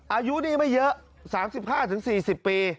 อายุนี่ไม่เยอะ๓๕๔๐ปี